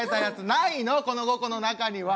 ないのこの５個の中には！